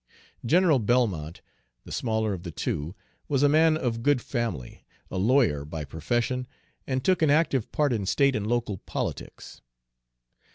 General Belmont, the smaller of the two, was a man of good family, a lawyer by profession, and took an active part in state and local politics.